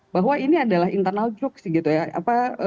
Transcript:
bahwa ini adalah internal joke sih gitu ya